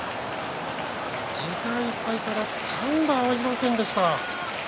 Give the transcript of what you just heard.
時間いっぱいから３度合いませんでした。